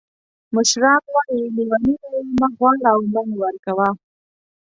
مشران وایي لیوني نه یې مه غواړه او مه یې ورکوه.